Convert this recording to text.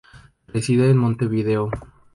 Reside en Montevideo.